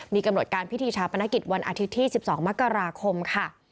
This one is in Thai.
มีกำหนดการพิธีชาปนกิจวันอาทิตย์ที่๑๒มกราคมค่ะ